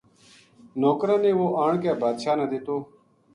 نوکراں نے وہ آن کے بادشاہ نا دیتو